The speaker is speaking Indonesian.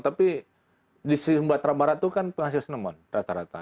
tapi di sibat rambarat itu kan penghasil cinnamon rata rata